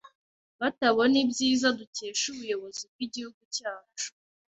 batabona ibyiza dukesha ubuyobozi bw’Igihugu cyacu